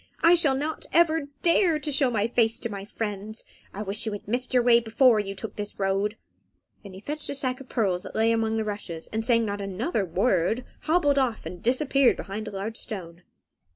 I shall not ever dare to show my face to my friends. I wish you had missed your way before you took this road." Then he fetched a sack of pearls that lay among the rushes, and saying not another word, hobbled off and disappeared behind a large stone.